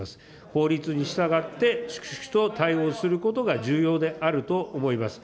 法律に従って粛々と対応することが重要であると思います。